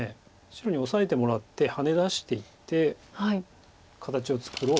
白にオサえてもらってハネ出していって形を作ろうという。